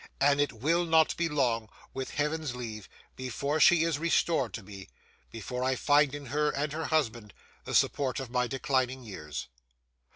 And it will not be long, with Heaven's leave, before she is restored to me; before I find in her and her husband the support of my declining years.